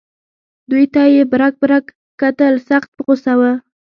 دوی ته یې برګ برګ کتل سخت په غوسه و.